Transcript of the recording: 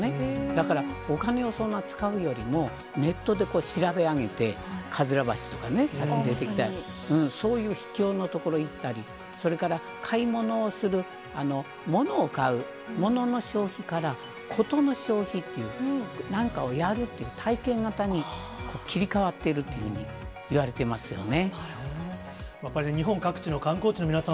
だからお金をそんな使うよりも、ネットで調べ上げて、かずら橋とかね、さっき出てきた、そういう秘境の所行ったり、それから買い物をする、物を買う、物の消費から事の消費っていう、なんかをやるっていう体験型に切り替わっているというふうにいわれてますよね。